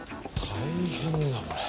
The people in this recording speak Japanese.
大変だこれ。